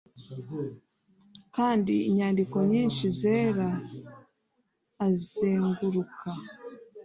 kandi inyandiko nyinshi zera azenguruka,